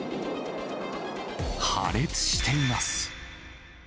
破裂しています。